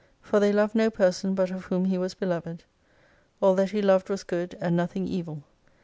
For they loved no person but of whom he was beloved. All that he loved was good, and nothing evil.